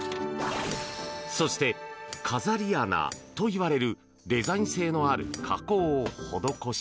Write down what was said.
そして、飾り穴といわれるデザイン性のある加工を施し